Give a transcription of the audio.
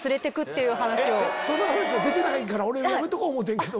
その話は出てないから俺やめとこう思てんけど。